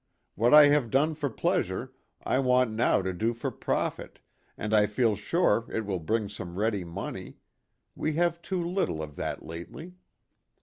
"What I have done for pleasure I want now to do for profit and I feel sure it will bring some ready money we have too little of that lately.